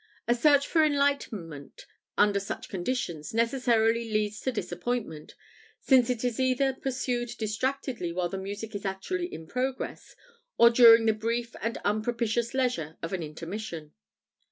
A search for enlightenment under such conditions necessarily leads to disappointment, since it is either pursued distractedly while the music is actually in progress, or during the brief and unpropitious leisure of an intermission.